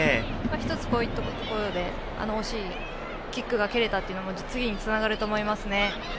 １つ、ポイントというところで惜しいキックが蹴れたというのも次につながると思います。